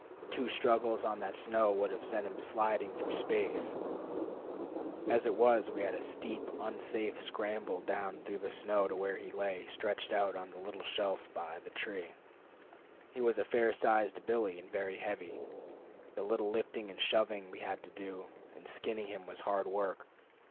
Two struggles on that snow would have sent him sliding through space. As it was, we had a steep, unsafe scramble down through the snow to where he lay stretched out on the little shelf by the tree. He was a fair sized billy, and very heavy. The little lifting and shoving we had to do in skinning him was hard work.